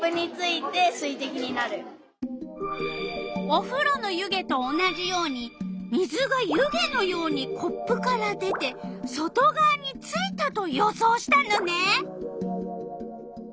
おふろの湯気と同じように水が湯気のようにコップから出て外がわについたと予想したのね！